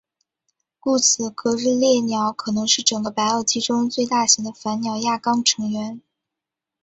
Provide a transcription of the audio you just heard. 故此格日勒鸟可能是整个白垩纪中最大型的反鸟亚纲成员。